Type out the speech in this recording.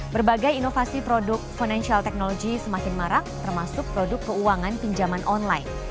berbagai inovasi produk financial technology semakin marak termasuk produk keuangan pinjaman online